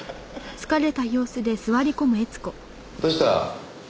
どうした？